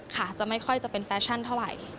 จะไม่ค่อยจะเป็นแฟชั่นเท่าไหร่